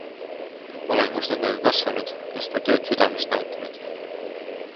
Olen koos nendega kasvanud ja seda tööd südamest nautinud.